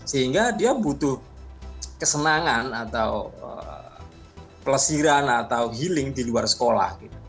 sehingga dia butuh kesenangan atau pelesiran atau healing di luar sekolah